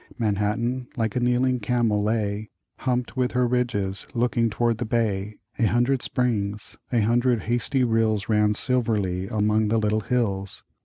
Manhattan, like a kneeling camel, lay, Humped with her ridges, looking toward the Bay,A hundred springs, a hundred hasty rillsRan silverly among the little hills.